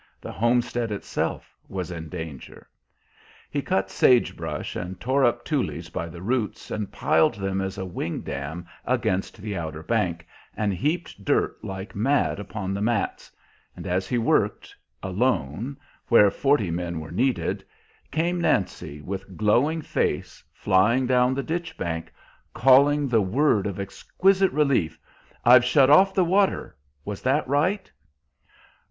The homestead itself was in danger. He cut sage brush and tore up tules by the roots, and piled them as a wing dam against the outer bank, and heaped dirt like mad upon the mats; and as he worked, alone, where forty men were needed, came Nancy, with glowing face, flying down the ditch bank, calling the word of exquisite relief: "I've shut off the water. Was that right?"